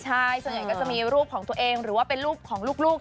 ใช่ส่วนใหญ่ก็จะมีรูปของตัวเองหรือว่าเป็นรูปของลูก